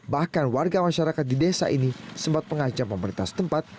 bahkan warga masyarakat di desa ini sempat pengacam pemerintah setempat